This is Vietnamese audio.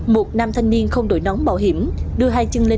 một nam thanh niên không đổi nóng bảo hiểm đưa hai chân lên